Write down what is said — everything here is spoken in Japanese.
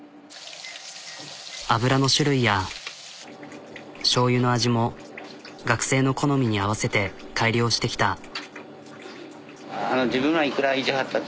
油の種類やしょうゆの味も学生の好みに合わせて改良してきた。